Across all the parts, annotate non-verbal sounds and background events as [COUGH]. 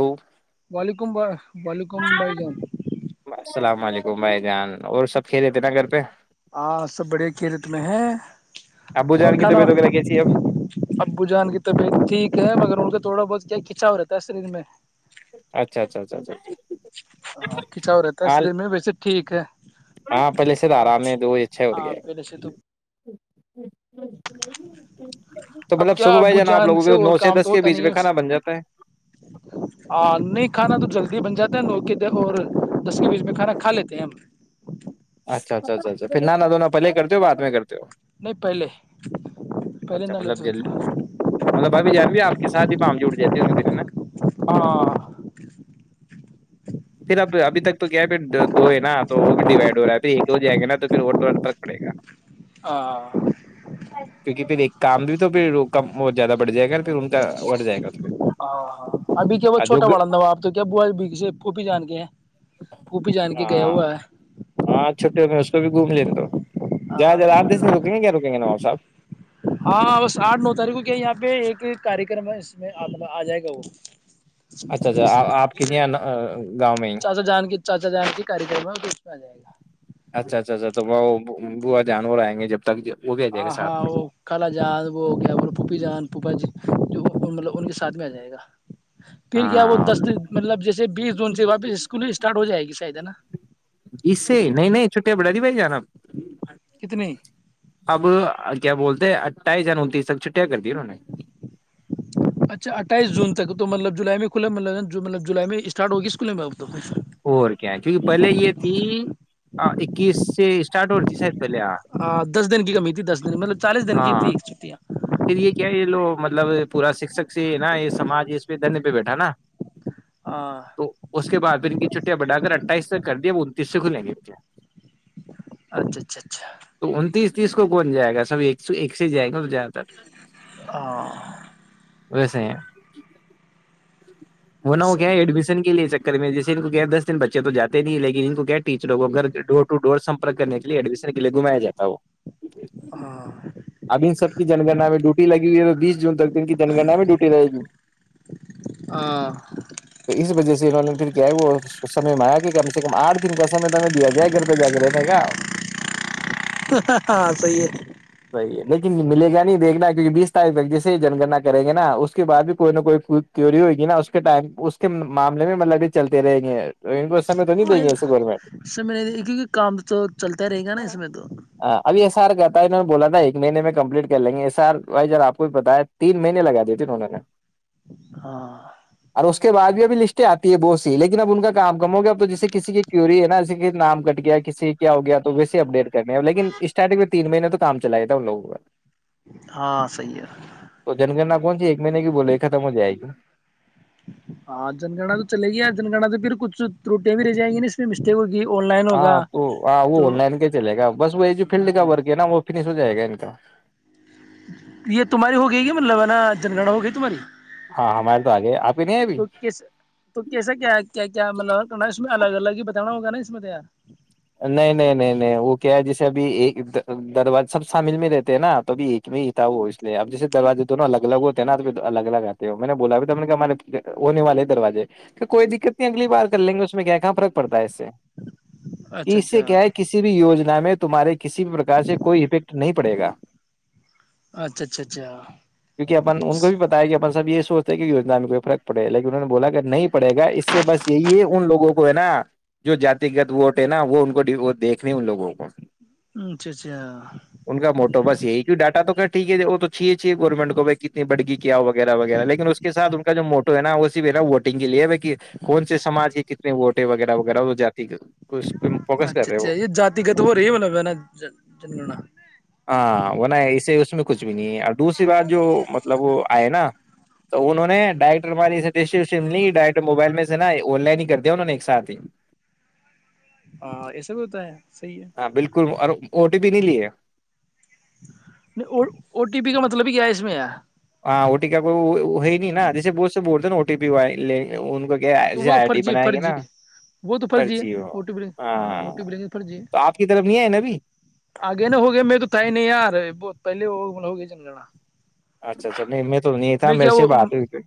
Hello وعلیکم ب وعلیکم بھائی جان گمبائی جان اور سب کھیلےتے نا گھر پہ ہاں سب بڑھیا کیھیلت میں ہے ابو اور جان کی کھانا طبیعت وغیرہ کیسی ہے اب ابو جان کی طبیعت ٹھیک ہے مگر ان کا تھوڑا بہت کیا اچھا ہو رہتا ہے شریر میں اچھا اچھا اچھا اچھا ہاں کھنچاؤ رہتا ہے سرے میں ویسے ٹھیک ہے ہاں پہلے سے تو آرام ہاں نہیں دو وہ اچھے ہو گئے پہلے سے تو [INAUDIBLE] اب کیا ابو جان سے اور کام دس تو کے ہوتا بیچ نہیں میں ہے اس کھانا بن جاتا ہے ہ نہیں کھانا تو جلدی بن جاتا نو کے اور دس کے بیچ میں کھانا کھا لیتے ہیں ہم اچھا اچھا اچھا اچھا پھر نا نا پہے کرتے ہو بد میں کرتے ہو نہیں پہلے پہلے اچھا مطلب نالج ج ہوتا ہے مطلب ابھی جان بھی آپ کے ساتھ ہی پم جڑ جاتتے ہوں گے پھر نا ہاں پھر اب ابھی ت تو کیا ہے پھر دو ہے نا تو وہ بھی ڈیوائڈ ہو رہا ہے پھر ایک ہو جائیں گے نا تو پھر تک پڑے گا ہ [UNINTELLIGIBLE] کیونکہ پھر ایک کام بھی تو پھر کا بہت زیادہ بڑھ جائے گا پھر ان کا بڑھ جائے گا تو ہاں ہاں ابھی کیا وہ چھوٹا بڑا آپ تو کیا ب سے [UNINTELLIGIBLE] کبی جان گ [UNINTELLIGIBLE] پوپی جان کے گیا ہاں ہوا ہے ہاں چھٹیوں میں اس کو بھی گھوم لین گ ہوں [UNINTELLIGIBLE] جہاں جر آد دیس سے رکیں گ کیا رکیں گ نا سب [UNINTELLIGIBLE] ہاں بس آٹ نو تاریخ کو کیا یہاں پہ ایک [UNINTELLIGIBLE] کار کررم ہے اس میں آ جائے گا وہ [UNINTELLIGIBLE] اچھا اچھا اس آپ کت گاؤں میں ہی سارتی کاری کررم ہے بیش میں آ جائے گا [UNINTELLIGIBLE] اچھا اچھا اچھا تو وہ با جانور آئیں گے جب تک وہ بھی آ جائے گا ہاں ساتھ ہاں میں وہ کالا جان وہ کیا بول پھپی جان پپا جی جو مطلب ان کے ساتھ میں آ جائے گا پھر کیا وہ ہاں دس مطلب جیسے بیس جون سے واپس اسکول اسٹارٹ ہو جائے گی چاہد نا جس سے نہیں نہیں چھٹٹییاں بڑا دی بھائی جانا کتنی اب کیا بولتے ہیں اٹھائیس جور تس تک چھٹیا کرتے اچھا اٹھائیس جون تو مطلب جولائی میں کھلا مط جو ملب جو جلائی میں اسٹارٹ ہوگی اسکول میں اب اور کیا ہے کیونکہ پہلے یہ تھی اکیس سے اسٹارٹ ہو رہی تھی سر ہاں دس دن کی کمی تھی دس دن مطلب چالیس دن کی ہاں تھی چھٹیاں پھر یہ کیا یہ لو مطلب پورا شکشک سے نا یہ سمج اس پہ دھنند پہ بیٹھا نا ہاں تو اس کے بعد بھی ان کی چٹی بٹا کر اٹھائیس سےک کر دیا وہ انتیس سے کھ لیں گے ا کیا اچھا اچھا اچھا یس کون جائے گا سب ایک ایک سے جائے گا س ہ ویسے وہنا ہو کیا صحیح ہے ایڈمشن کے لیے جیے کو کیا دس دن بچے تو جاتے نہیں لیکن انن کو کیا ٹیچروں کو گھر ڈور ٹو ڈور سمپر کرنے کے لیے ایڈمیشن کے لیے گھمیا جاتا وہ ہاں اب ان سب کی جنگننا میں ڈیوٹی لگی ہوئی ہے تو بیس جون تک ان کی جنگننا میں ڈیوٹی لگے گی ہاں تو اس وجہ سے وں نےھر کیا ہے وہ سمے م آگیا کہ کم سے کم آٹ دن کا سمے تو ہمیں دیا جائے گھر پہ جا کے رہنے گا ہاں صحی ہے صحیح ہے لیکن ملے گا نہیں دیکنا کیکہ بیس تاریخ تک جیسے جنگنا کریں گے نا اس کے بع بھی کوئی نہ کوئی کیوری ہوگی نا اس اس کے ٹائم اس کے معامل میں مطلب کہ چلتے رہیں گے ان کو سمے تو نہیں ہاں دیں گے ایسے گورنمنٹ اس میں نہیں کیونکہ کام تو چلتا رہے گا نا اس میں تو ہاں ابھی ایس آر کہ تھا ہے انہوں نے بولا نا ایک مہنے میں کمپلیٹ کر لیں گے ایس آر وائی جب آپ کو بھی پتا ہے تین مہینے لگا دیتے انہوں نے ہاں اور اس کے بعد بھی لسٹیں آتی ہے بہت سی لیکن اب ان کام کم ہو گیا اب تو جسے کسی کی کیوری ہے نا ج نام کٹ گیا کسی کیا ہو گیا تو ویسے اپڈیٹ کر کرنے لیکن اسٹارٹنگ تین مہینے تو کام چلائے تھا ان لووں کا ہاں صحیح ہے ب جی میں نہیںی بول ایکا تھا مج جائے گا ہاں جنگنا تو چل گیا جنگنا تو پھر کچھ روٹیاں بھی رہ جائیں گی نا اس میں مسٹیک ہو ہاں تو وہ آن لائن کے چلے گا بس وہ یہ جو فیلڈ کا ورگ ہے نا وہ نہیں سو جائے گا ان کا یہ تمہاری ہو گئی ہے کہ مطلب نا جن گڑھ ہو گئی تمہاری ہاں ہمارے تو آگے آپ کے نہیں ہے ابھی تو کیس تو کیسا کیا کیا کیا مطلب کرنا اس میں الگ الگ ہی بتا جانا ہو گ نہیں اس متار نہیں نہیں نہیں نہیں وہ کیا ہے جیسے ابھی ایک دروازے سب شامل میں رہتے ہیں نا تو اب ایک میں ہی تھا وہ اس لیے اب جیے دروجازے دونوں الگ الگ ہوتے ہیں نا تو الگ الگ آتے ہو میں نے بولا ت نے کہ ہمارے ہونے والے دروازے کوئی دقت نہیں اگلی بار کر لیں گے اس میں کیا کہاں فرق پڑتا ہے اس سے اچھا اس اچھا سے کیا ہے کسی بھی یجنا میں تمہارے کسی بھی پرک سے کوئی افیکٹ نہیں پڑے گا اچھا اچھا اچھا کیونکہ اپن ان کو بھی پتا ہے کہ اپن یہ سوچتے کہ یجنا میں کوئی فرق پڑے گ لیکن انہوں نے بولا کہ نہیں پڑے گا اس سے بس یہی ان لگوں کو ہے نا جو جاتیگت ووٹ نا وہ ان کو وہ دیکھنے ان لوگوں کو اچھا اچھا ان کا موٹو بس یہی کی ڈاٹا تو کہ ٹھیک ہے ج وہ تو چاہیے چاہے گورنمنٹ کو بائی کتنی بڑ گ کیا ہو وغیرہ وغیرہ لیکن اس کےاتھ ان کا جو موٹو ہے نا وہ ص بھی نا ووٹنگ کے لیے ب کہ کون سے ساج کے کتنے ووٹ ہے وغیرہ وغیرہ وہ جاتی اس پہ فوکس کر اچھا رہے اچھا وہ یہ جاتی گت ہو رہی ہے مطلب ہے نا جنگنا ہاں وہ ن اسے اس میں کچھ بھی نہیں ہے اور دوسری بات جو مطلب وہ آئے نا تو انہوں نے ڈائریکٹر ہم ڈسوشن لی ڈائریکٹ موبائل میں سے نا آن لائن ہی کر دیا انہوں نے ایک ساتھ ہی ہاں ایس بھی ہوتا ہے صحیح ہے ہاں بالکل اور او ٹی پی نہیں لی ہے نہیں ا او ٹی پی کا مطلب ہی کیا ہے اس میں ہاں ا ٹی کا کوئی ہے نہیں نا جیسے بول سے بولتے نا او ٹی پی وے ہاں تو وہ فرضی ہے فرضی ہے وہ تو فرضی ہے پرچی ہو ہاں ب تو فری ہے آپ کی طرف نہیں آئے نا ابھی آگے نہ ہوگیا میں تو تھا ہی نہیں آ رہے ب پہلے وہ ہوگئے چنگنا اچھا اچھا نہیں میں تو نہیں تھا میں میرے کیا سے وہ بات ہوئی تھی۔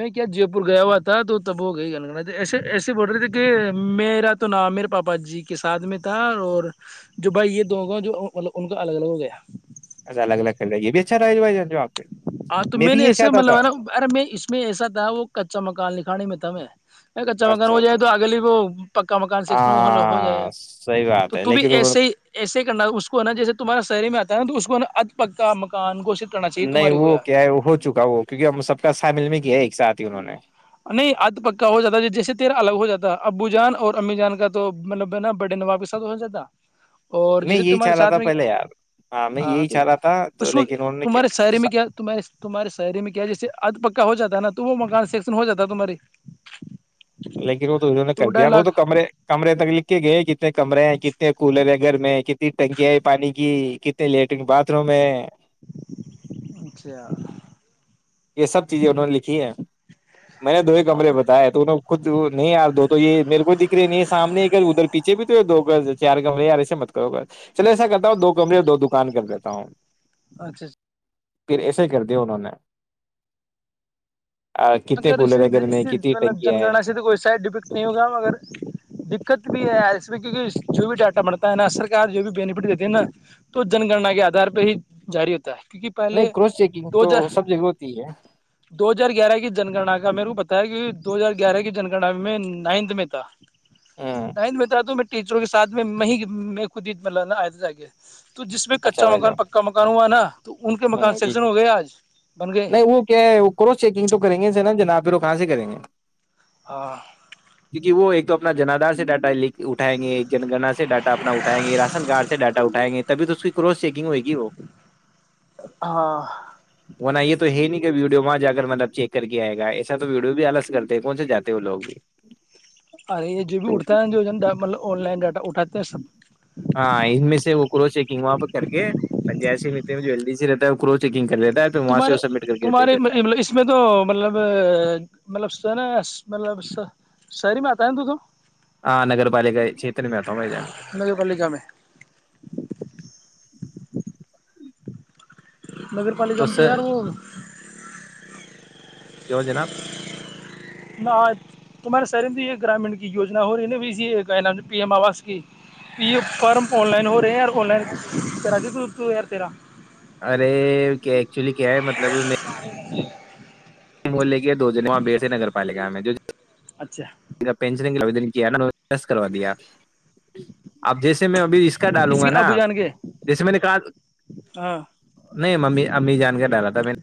میں کیا جے پور گیا ہوا تھا تو تب ہو گئی گنگ ایے ایسے بول رہے تھے کہ میرا تو نام میرے پاپا جی کے ساتھ میں تھا اور جو بھائی یہ دو گؤ جو ان کا الگ الگ ہو گیا اھ الگ الگ کرھیلیے بھی اچھا رہ بائی ہاں تو میں نے ایسے مطلب ہے نا ارے میں اس میں ایسا تھا وہ کچا مکان لکھانے میں تھا میں کچا مکان اچھا ہو اچھا جائے تو اگلی وہ پکا مکان اچھا ہو جائے گا ہاں صحیح تو بات ہے ت بھی لیکن انہوں ایسے ہی ایسے ہی کرنا اس کو نا جیسے تمہارا شہری میں آتا ہے نا تو اس کو نا اھ پکا مکان گھوشت کرنا چاہیے نہیں تمہارے کو وہ یار کیا ہے ہو چکا وہ کیونکہ سب کا سا مل میں کیا ہے ساتھھی انہوں نے نہیں ادھ پکا ہو جاتا جیسے تیرا الگ ہو جاتا ابو جان اور امی جان کا توا بڑے نواب کے ساتھ ہو جاتا اور میں جیسے یہی تمہارے چاہ رہا ساتھ تھا میں پہلے یار میں ہاں یہی تو چاہ رہا تھا تو اس کو لیکن انہوں نے کیا تمہاراری س شاعری میں کیا تہے تمہارے شاعری میں کیا جیسے ادھ پکا ہو جاتا نا ت وہ مان سے ہو جاتا ہے تمہاری لیکن وہ تو انہوں نے کر دیا وہ تو کمرے کمے تک ل گئے کتنے کمرے ہیں کتنے کولر ہے گھر میں کتنی ٹنکیاں ہے پانی کی کتنے لیٹرن باتھ روم ہے اچھا یہ سب چیزیں انہوں نے لکھی ہیں میں نے دو ہی کمرے بتاائے تو ن خود نہیں یار دو تو یہ میرے کوئی دکھ رہے نہیں ہے سامنے ادھر پیچھے بھی تو دو چار کمرے ار ایسے مت کرو گا چلے ایسا کرتا ہوں دو کمرے دو دکان کر دیتا ہوں اچھا اچھا پھر ایسے ہی کر دیا انہوں نے کتنے اگر اس کولر ہے گھر اس میں سے کتنی مطلب جن ٹنکیاں ہیں گنا سے تو کوئی سائڈ افیکٹ نہیں ہوگا مگر دقت بھی ہے کیکہ جو بھی ڈاٹا بڑتا ہے نا سرک جو بھی بینیفٹ دیتی ہے نا تو جن گننا کے آدھار پہ ہی جاری ہوتا ہے کہ نہیں پہلے کراس چیکنگ دو تو ہزار سب جگہ ہوتی ہے دو ہزار گیارہ کی جنگنا کا میر کو پتا ہے کہ دو ہزار گیارہ کی جنگنا میں نائنت میں تھا ہوں نہیں متا تو روں کے ساتھ م میں خود عید م لانا آے تو جس میں کچا مکان پکا مکان ہوا نا تو ان کے مکان ہاں جی ج سیکشن ہو گئے آج بن گئے نہیں وہ کیا ہے وہ کرو چیکنگ تو کریں گے نا ج ن آپ وہ کہاں سے کریں گے ہاں کیونکہ وہ ایک توم اپنا جنادار سے ڈاٹا ل اٹائیں گے جن گنا سے ڈاٹا اپنا اٹھائیں گے رشن کارڈ سے ڈاٹا اٹھائیں گے تبھی تو اس کی کراس چیکنگ ہوئے گی وہ ہاں وہن یہ تو ہے نہیں ویڈیو وہاں جا کر مطلب چیک کر کے آئے گا ایسا تو ویڈیو بھی الگ کرتے ہیں کون سے جے ہیں وہ لوگ بھی ارے یہ جو بھی تو اٹھتا ہے جو مطلب آن لائن ڈاٹا اٹھاتے ہیں سب ہاں ان میں سے وہ کرو چیکنگ وہاں پ کر کے پن جیسے جو ایل ڈی رہتا ہے کرو چیکن کر لی تمہارے تمہارے اس میں تو مطلب مطلب س نا مطلب شہری میں آتا ہے تو تو ہاں نگر پالکا چیتن میں آ ہے ا کے پ ل گ میں نگر پالکا تو میں سر تیار ہوگ کیو جناب آج تمہارے سر یہ گرامین کییجنا ہو رہی نا سی نام پی ایم آوس کی پی فارم آن لائن ہو رہے ہیں یار آن لائن کرا کے تو دو ار تیرہ ارے کہ ایکچولی کیا ہے مطلب میں مے کے دو جنے وہاں بیڑ سے نگر پالا میں جو س اچھا پنسنٮ دن کیا نس کرا دیا اب جیسے میں ابھی ر کا ڈالوں کس گا کے نا ابو جان کے جیسے میں نے کہا ہاں نہیں ممی امی جان کر ڈالا تھا میں نے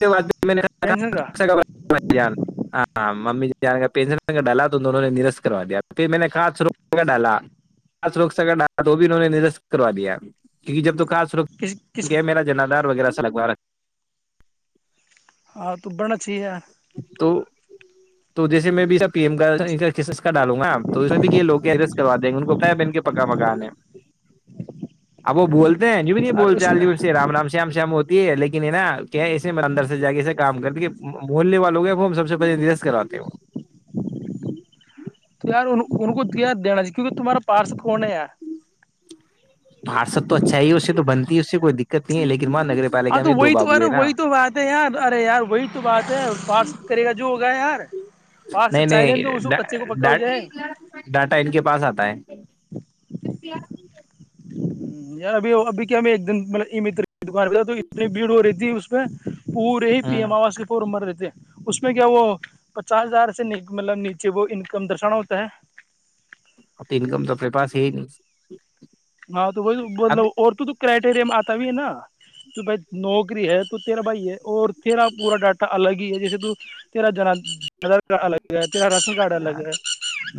[UNINTELLIGIBLE] [UNINTELLIGIBLE] پینشن کا پنگر ڈالا تووں نے نست کرا دیا پھر میں نے ک روگر ڈالا رو اگر ڈالا تو وہ بھی انہوں نے نرست کرا دیا کیونکہ جب تو کص کس کس کیا میرا جنادار وغیرہ لگ بار ہاں تو بڑا ا چاہیے تو تو جیسے میں بھی سب ایم کا اچھا کا ڈالوں گا تو اس میں بھی یہوگ کے ایڈریس کرو دیں گے ان کو بتایا ب کے پکا پک نے ابو بول بھی نہیں اور بول اس چال میں رام رام شیام شم ہو یہ لیکن ہے نا کیا ایے اندر سے جا کے ایے کام کر دے محے والوں ہو گئے وہ ہم سب سے پہلے نیرست کراتے ہو تو یار ان کو کیا دینای کیونکہ تمہارا پارسل کون ہے پارسد تو اچھا ہی ہے اس سے تو بنتی ہے اس سے کوئی دقت نہیں ہے لیکن وہاں نگر ہاں پالکا تو میں دو وہی تو بابو ارے ہے نا وہی تو بات ہے یار ارے یار وہی تو بات ہے کری گا وگا یار پار سے نہیں چاہ نہیں لیں تو اس کو کچے کو پکا ڈ ہو جائے ڈاٹا ان کے پاس آتا ہے ار ابھی ابھی کیا ایک دن مطلب ا م کار پ تو اتنی بھیڑ ہو رہیھی تھی اس پہ پورے ہی پی ایم ہ آواز پمر رہ اس میں کیا وہ پچاس ہزار سے مطلب نیچے وہ انکم درشانا ہوتا ہے آ تو انکم تو اپنے پاس ہی ہی نہیں ہاں تو وہی مطلب اب اور تو تو کرائٹیریا میں آتا بھی ہے نا کہ بھائی نوکری ہے تو تیرہ بھائی ہے اور تیرا پورا ڈاٹا الگ ہی ہے جیسے تو تیرہ جنا کارڈ الگ ہے تیرا راشن کارڈ الگ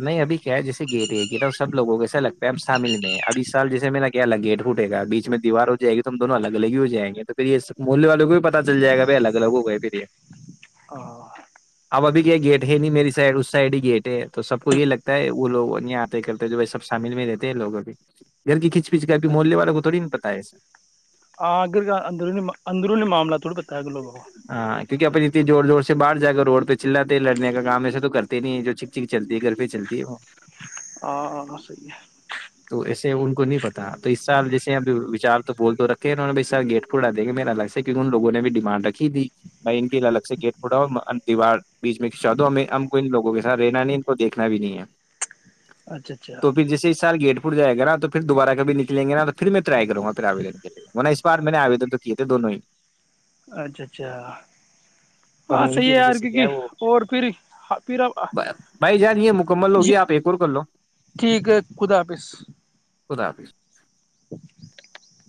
نہیں ابھی کیا ہے جیسے گیٹ ہے کہ ن سب لوگوں کیسا لگتا ہے ہمب شامل میں ابھی سال جیے میں نے کیا الگ گیٹھٹے گ بیچ میں دیوار ہو جائے گ تو ہم دونوں الگ الگ ہی ہو جائ گے توھر یہ مول بھی پتا چل جائے گا ب الگ الگ ہو گئے پھر یہ ہے اب ا یہ گیٹ ہے نہیں میری س اس سائڈ ہی گیٹ ہے تو سب کو یہ لگتا ہے وہ لوگ آتے کرتے ب سب شامل میں رہتے ہیں لوگوں کے گھر کی کھچ اب مولیہ والے کو تھوی [UNINTELLIGIBLE] آگررونی اندرونی معاملہ تھوڑا پ ت گلو بابا ہاں کیونکہ اپنے اتنی زور زور سے باہر جا کر روڈ پہ چاتے لڑنے کام ایسا تو کرتے نہیں ہے جو چھک چھک چلتی ہے گھر پہ چلتی ہے وہ ہاں صحیح تو ایسے ان کو نہیں پتا تو اس سال جیسے اپچار [UNINTELLIGIBLE] تو بول تو رکھے ہیں انوں ب سار گٹ پ اڑایں گے میراگ ہے کیونک انوگ نے بھی ڈمڈ رکھے دی میں ان کی الگ سے گیٹ پھڑاؤ دیوار بیچ میں شادو ہم ہم کو ان لوگوں کے ساتھ رینانی ان کو دیکنا بھی نہیں ہے ہے اچھا اچھا [UNINTELLIGIBLE] تو پھر جیسے سار گیٹ [UNINTELLIGIBLE] جائے گا نا تو پھر دوبارہ کب نکلیں گے نا تو پھر میں ٹرائی کروں گا پھر آون کے لیےہ اس بار میں نے آودن تو کیے تھے دونوں ہی [UNINTELLIGIBLE] اچھا اچھا پر ہاں ان صحیح کی ہے وجہ یار سے کیا کیونکہ ہے وہ اور پھر پھر آپ بھائی جان یہ مکمل یہ ہوگی آپ ایک اور کر لو ٹھیک ہے خدا حافظ [UNINTELLIGIBLE] کدپ [UNINTELLIGIBLE] [INAUDIBLE]